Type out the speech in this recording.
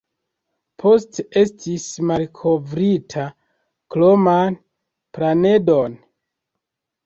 Poste, estis malkovrita kroman planedon.